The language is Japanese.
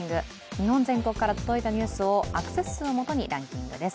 日本全国から届いたニュースをアクセス数をもとにランキングです。